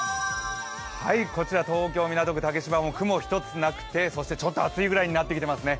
こちら東京・港区竹芝も雲１つなくて、そしてちょっと暑いぐらいになってきていますね。